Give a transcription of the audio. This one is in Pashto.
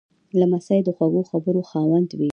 لمسی د خوږو خبرو خاوند وي.